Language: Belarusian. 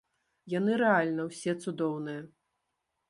Яны рэальна ўсе цудоўныя!